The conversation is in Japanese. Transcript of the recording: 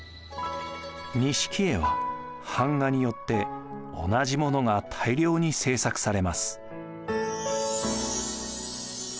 錦絵は版画によって同じものが大量に制作されます。